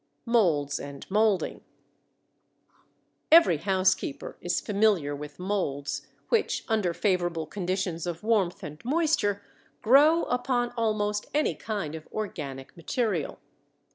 MOLDS AND MOLDING. Every housekeeper is familiar with molds which, under favorable conditions of warmth and moisture, grow upon almost any kind of organic material.